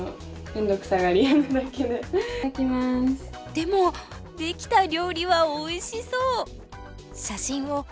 でもできた料理はおいしそう！